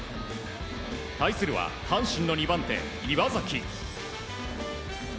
対するは阪神の２番手、岩崎。